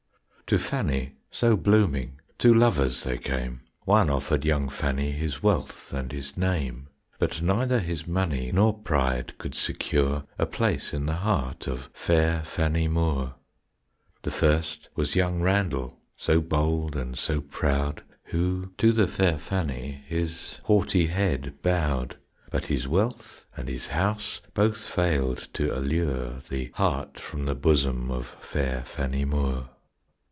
To Fannie, so blooming, Two lovers they came; One offered young Fannie His wealth and his name; But neither his money Nor pride could secure A place in the heart Of fair Fannie Moore. The first was young Randell, So bold and so proud, Who to the fair Fannie His haughty head bowed; But his wealth and his house Both failed to allure The heart from the bosom Of fair Fannie Moore.